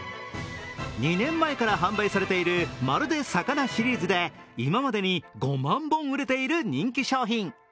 ２年前から販売されているまるで魚シリーズで今までに５万本売れている人気商品。